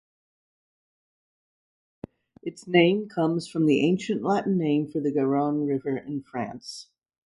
Its name comes from the ancient Latin name for the Garonne River in France.